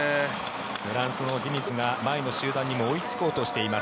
フランスのディニズが前の集団に追いつこうとしています。